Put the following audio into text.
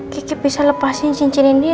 kiki bisa lepasin cincin ini